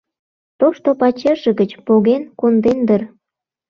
— Тошто пачерже гыч поген конден дыр.